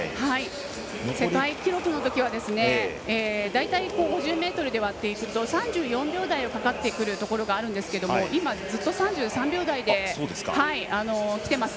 世界記録のときは、大体５０ｍで割っていくと、３４秒台かかってくるところがあるんですが、今ずっと３３秒台できています。